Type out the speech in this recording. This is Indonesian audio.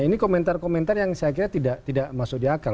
ini komentar komentar yang saya kira tidak masuk di akal